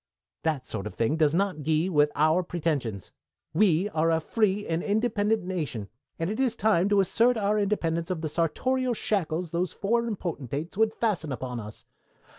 That sort of thing does not gee with our pretensions. We are a free and independent nation, and it is time to assert our independence of the sartorial shackles those foreign potentates would fasten upon us.